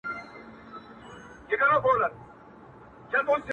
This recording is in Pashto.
په هره لوېشت کي یې وتلي سپین او خړ تارونه؛